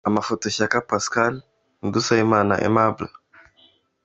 Amafoto: Shyaka Pascal & Dusabimana Aimable.